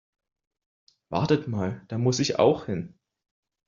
Wartet mal, da muss ich auch hin.